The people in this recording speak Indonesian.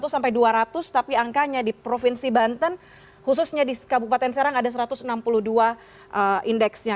satu sampai dua ratus tapi angkanya di provinsi banten khususnya di kabupaten serang ada satu ratus enam puluh dua indeksnya